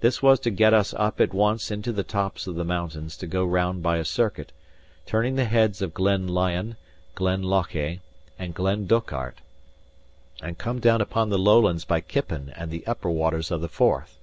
This was to get us up at once into the tops of the mountains: to go round by a circuit, turning the heads of Glen Lyon, Glen Lochay, and Glen Dochart, and come down upon the lowlands by Kippen and the upper waters of the Forth.